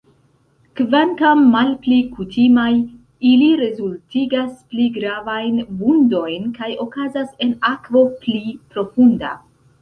Kvankam malpli kutimaj, ili rezultigas pli gravajn vundojn kaj okazas en akvo pli profunda.